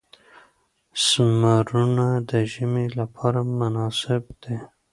سمورونه د ژمي لپاره مناسب دي.